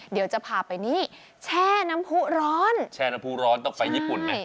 เดี๋ยวจะพาไปนี่แช่น้ำผู้ร้อนแช่น้ำผู้ร้อนต้องไปญี่ปุ่นไง